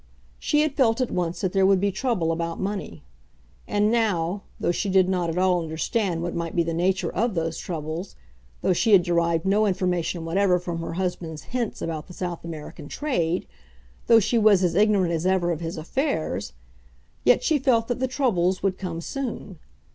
She had felt at once that there would be trouble about money. And now, though she did not at all understand what might be the nature of those troubles, though she had derived no information whatever from her husband's hints about the South American trade, though she was as ignorant as ever of his affairs, yet she felt that the troubles would come soon.